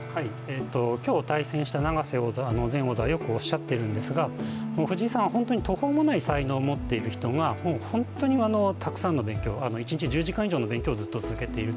今日、対戦した永瀬前王座はよくおっしゃってるんですが藤井さんは途方もない才能を持っている人が本当にたくさんの勉強１日１０時間以上の勉強をずっと続けている。